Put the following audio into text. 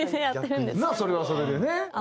なあそれはそれでね。